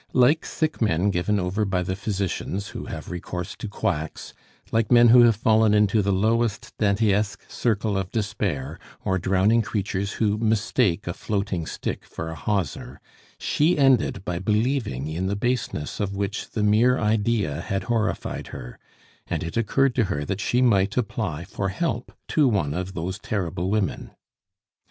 Like sick men given over by the physicians, who have recourse to quacks, like men who have fallen into the lowest Dantesque circle of despair, or drowning creatures who mistake a floating stick for a hawser, she ended by believing in the baseness of which the mere idea had horrified her; and it occurred to her that she might apply for help to one of those terrible women.